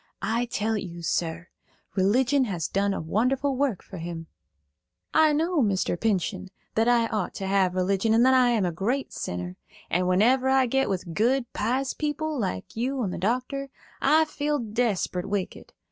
I tell you, sir, religion has done a wonderful work for him." "I know, Mr. Pinchen, that I ought to have religion, and that I am a great sinner; and whenever I get with good, pious people, like you and the doctor, I feel desperate wicked.